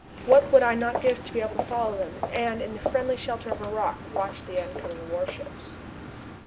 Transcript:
What would I not give to be able follow to them, and in the friendly shelter of a rook watch the on coming warships!